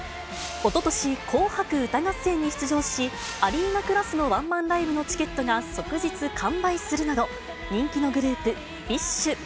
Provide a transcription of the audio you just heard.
おととし、紅白歌合戦に出場し、アリーナクラスのワンマンライブのチケットが即日完売するなど、人気のグループ、ＢｉＳＨ。